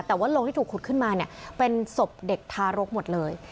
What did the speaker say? แต่ว่าโรงที่ถูกขุดขึ้นมาเนี่ยเป็นศพเด็กทารกหมดเลย